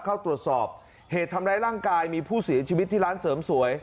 เข้าตรวจสอบเหตุทำร้ายร่างกายมีผู้เสียชีวิตที่ร้านเสริมสวย